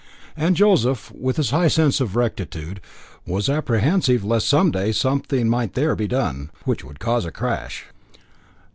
And Joseph, with his high sense of rectitude, was apprehensive lest some day something might there be done, which would cause a crash.